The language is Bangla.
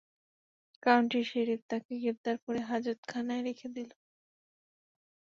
কাউন্টির শেরিফ তাঁকে গ্রেফতার করে হাজতখানায় রেখে দিল।